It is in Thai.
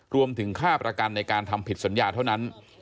รวมถึงค่าประกันในการทำผิดสัญญาเท่านั้น